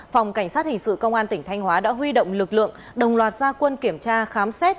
phòng cảnh sát hình sự công an tỉnh thanh hóa đã huy động lực lượng đồng loạt gia quân kiểm tra khám xét